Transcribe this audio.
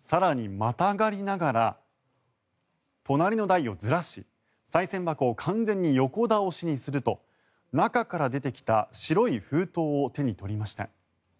更にまたがりながら隣の台をずらしさい銭箱を完全に横倒しにすると中から出てきた白い封筒を手に取りました。